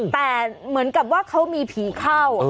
แต่เหมือนกับว่าเขามีผีเข้า